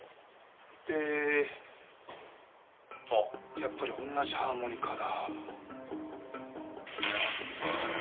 やっぱり同じハーモニカだ。